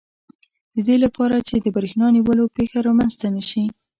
د دې لپاره چې د بریښنا نیولو پېښه رامنځته نه شي.